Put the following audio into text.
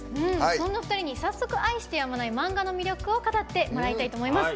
そんな２人に愛してやまないマンガの魅力を語ってもらいたいと思います。